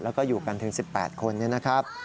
แล้วก็อยู่กันถึง๑๘คนนะครับ